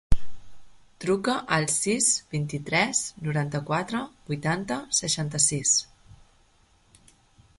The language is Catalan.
Truca al sis, vint-i-tres, noranta-quatre, vuitanta, seixanta-sis.